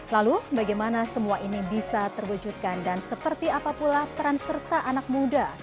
lalu bagaimana semua ini bisa terwujudkan dan seperti apa pula peran serta anak muda